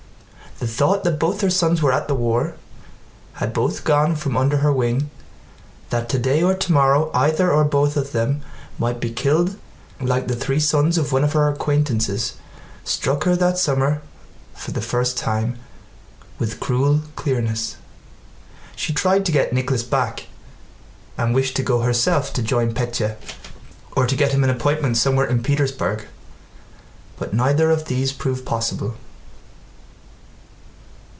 The thought that both her sons were at the war, had both gone from under her wing, that today or tomorrow either or both of them might be killed like the three sons of one of her acquaintances, struck her that summer for the first time with cruel clearness. She tried to get Nicholas back and wished to go herself to join Pétya, or to get him an appointment somewhere in Petersburg, but neither of these proved possible.